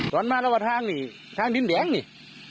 ตอนมาแล้วว่าทางนี่ทางพิพธิภาษาเนี่ย